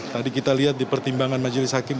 tadi kita lihat di pertimbangan majelis hakim